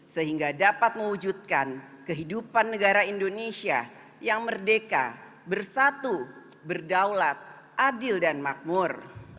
sehingga dapat mewujudkan kehidupan negara indonesia yang merdeka bersatu berdaulat adil dan makmur